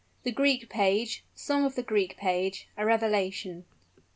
THE GREEK PAGE SONG OF THE GREEK PAGE A REVELATION.